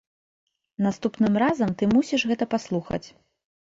Наступным разам ты мусіш гэта паслухаць!